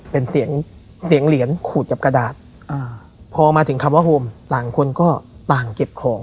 เป็นเสียงเสียงเหรียญขูดกับกระดาษอ่าพอมาถึงคำว่าโฮมต่างคนก็ต่างเก็บของ